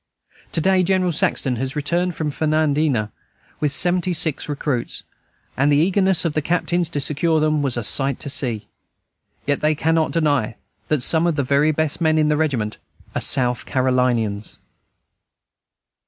To day General Saxton has returned from Fernandina with seventy six recruits, and the eagerness of the captains to secure them was a sight to see. Yet they cannot deny that some of the very best men in the regiment are South Carolinians.